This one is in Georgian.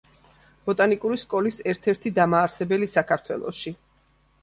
ბოტანიკური სკოლის ერთ-ერთი დამაარსებელი საქართველოში.